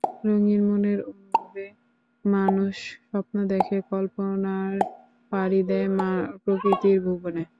রঙিন মনের অনুভবে মানুষ স্বপ্ন দেখে, কল্পনায় পাড়ি দেয় প্রকৃতির ভুবনে।